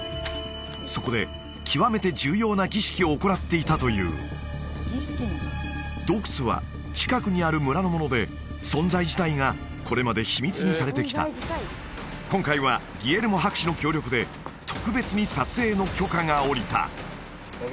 そこで極めて重要な儀式を行っていたという洞窟は近くにある村のもので存在自体がこれまで秘密にされてきた今回はギエルモ博士の協力で特別に撮影の許可が下りた